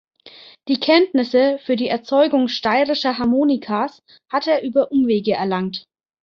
Die Kenntnisse für die Erzeugung Steirischer Harmonikas hat er über Umwege erlangt.